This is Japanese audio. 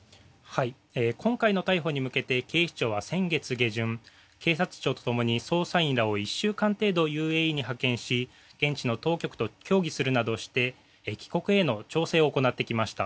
今回の逮捕に向けて警視庁は先月下旬警察庁とともに、捜査員らを１週間程度ＵＡＥに派遣し現地の当局と協議するなどして帰国への調整を行ってきました。